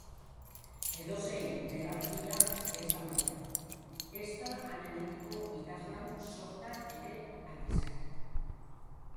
Edozein belar pila ez da meta, ezta han-hemendiko idazlan sorta ere aldizkaria.